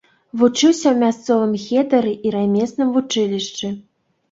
Вучыўся ў мясцовым хедары і рамесным вучылішчы.